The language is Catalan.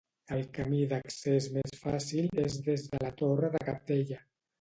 El camí d'accés més fàcil és des de la Torre de Cabdella.